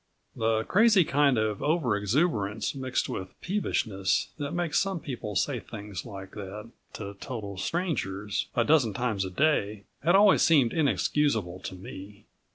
The crazy kind of over exuberance mixed with peevishness that makes some people say things like that to total strangers a dozen times a day had always seemed inexcusable to me.